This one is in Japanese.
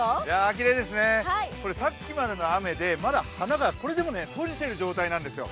きれいですね、これ、さっきまでの雨でまだ花がこれでも閉じてる状態なんですよ。